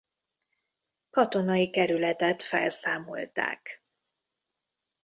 Katonai Kerületet felszámolták.